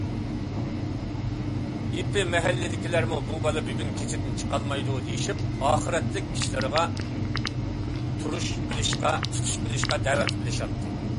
ئېپى- مەھەللىدىكىلەرمۇ« بۇ بالا بۈگۈن كېچىدىن چىقالمايدۇ» دېيىشىپ ئاخىرەتلىك ئىشلارغا تۇرۇش قىلىشقا دەۋەت قىلىشاتتى.